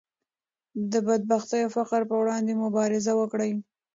د بدبختۍ او فقر پر وړاندې مبارزه وکړئ.